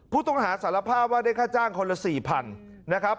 ผู้ต้องหาสารภาพว่าได้ค่าจ้างคนละ๔๐๐๐นะครับ